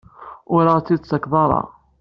Ur aɣ-t-id-tettakeḍ ara?